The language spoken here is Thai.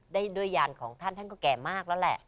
ด้วยยานของท่านท่านก็แก่มากแล้วแหละ